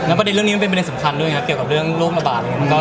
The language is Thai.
แล้วประเด็นเรื่องนี้มันเป็นปัญญาสำคัญด้วยนะเกี่ยวกับเรื่องโลกระบาด